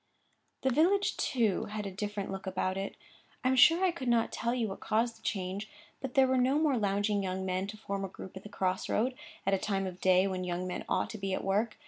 The village, too, had a different look about it. I am sure I could not tell you what caused the change; but there were no more lounging young men to form a group at the cross road, at a time of day when young men ought to be at work.